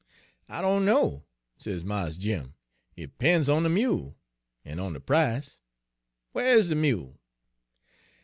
" 'I dunno,' says Mars Jim; 'it 'pen's on de mule, en on de price. Whar is de mule?'